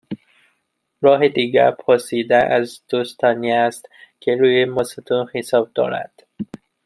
راه دیگر، پرسیدن از دوستانی است که روی ماستودون حساب دارند